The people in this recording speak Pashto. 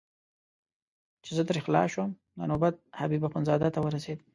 چې زه ترې خلاص شوم نو نوبت حبیب اخندزاده ته ورسېد.